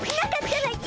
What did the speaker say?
はい！